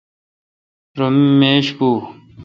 رو می میش پو۔